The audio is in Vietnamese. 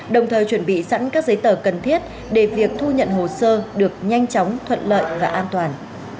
đồng thời chuẩn bị sẵn các giấy tờ cần thiết để việc thu nhận hồ sơ được nhanh chóng thuận lợi và an toàn